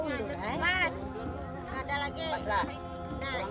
kan mas fbi ambil aja pak